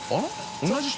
同じ人？